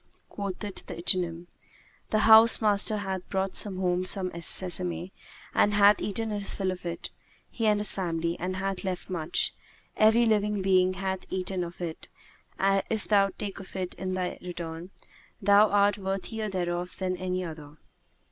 Quoth the ichneumon, "The house master hath brought home sesame and hath eaten his fill of it, he and his family, and hath left much; every living being hath eaten of it and, if thou take of it in they turn, thou art worthier thereof than any other."